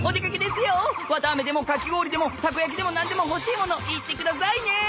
綿あめでもかき氷でもたこ焼きでも何でも欲しいもの言ってくださいね。